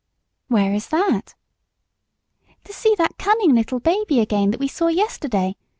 "Where is that!" "To see that cunning little baby again that we saw yesterday.